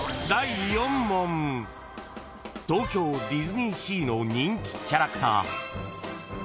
［東京ディズニーシーの人気キャラクター］